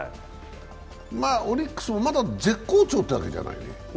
オリックスもまだ絶好調ってわけじゃないね。